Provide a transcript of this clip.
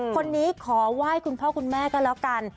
คนนี้ขอไหว้คุณพ่อคุณแม่ก็แล้วกัน